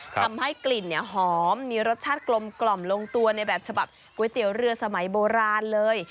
ทำให้กลิ่นหอมมีรสชาติกลมลงตัวในแบบฉบับก๋วยเตี๋ยวเรือสมัยโบราณเลย